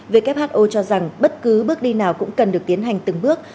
who cho rằng bất cứ bước đi nào cũng cần được tiến hành từng bước